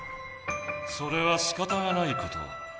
それはしかたがないこと。